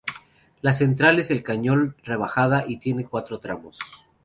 La central es de cañón rebajada y tiene cuatro tramos.